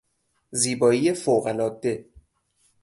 زیبایی فوق العاده